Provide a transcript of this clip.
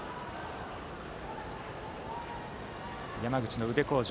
山口の宇部鴻城